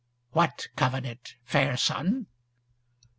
"What covenant, fair son?"